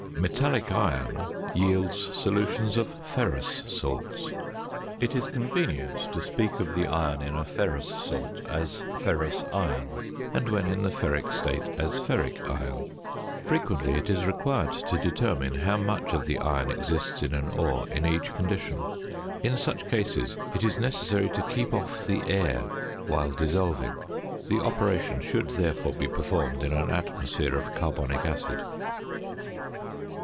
Metallic iron yields solutions of ferrous salts. It is convenient to speak of the iron in a ferrous salt as ferrous iron, and when in the ferric state as ferric iron. Frequently it is required to determine how much of the iron exists in an ore in each condition. In such cases it is necessary to keep off the air whilst dissolving; the operation should, therefore, be performed in an atmosphere of carbonic acid.